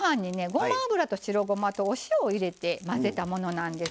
ごま油と白ごまとお塩を入れて混ぜたものなんです。